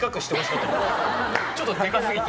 ちょっとデカ過ぎて。